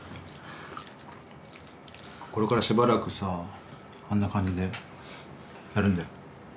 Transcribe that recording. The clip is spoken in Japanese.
これからしばらくさあんな感じでやるんだよ。